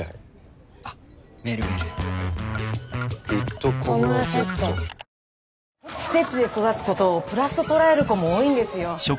東京海上日動施設で育つことをプラスと捉える子も多いんですよ。